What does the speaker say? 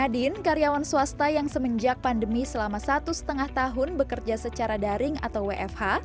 nadine karyawan swasta yang semenjak pandemi selama satu lima tahun bekerja secara daring atau wfh